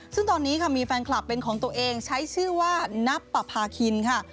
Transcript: ซึ่งตอนนี้ค่ะมีแฟนคลับเป็นของตัวเองใช้ชื่อว่านับประพาคินค่ะ